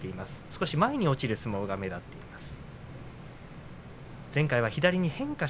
少し前に落ちる相撲が目立ちます。